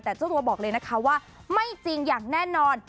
แต่เจ้าตัวบอกเลยนะคะว่าไม่จริงอย่างแน่นอน